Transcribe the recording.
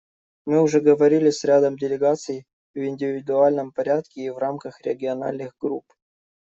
Мы уже говорили с рядом делегаций в индивидуальном порядке и в рамках региональных групп.